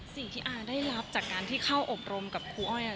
สิ่งที่อาได้รับจากการที่เข้าอบรมกับครูอ้อย